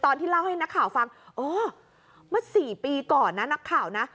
ตอนที่เล่าให้นักข่าวฟังอ๋อเมื่อ๔ปีก่อนนะนักข่าวนะ